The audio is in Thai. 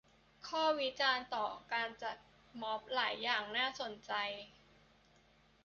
ข้อวิจารณ์ต่อการจัดม็อบหลายอย่างน่าสนใจ